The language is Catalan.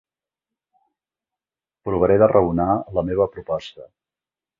Provaré de raonar la meva proposta.